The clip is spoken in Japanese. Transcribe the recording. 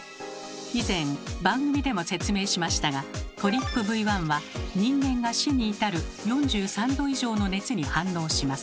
以前番組でも説明しましたがＴＲＰＶ１は人間が死に至る４３℃以上の熱に反応します。